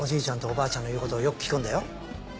ちゃんとおばあちゃんの言うことをよく聞くんだよ。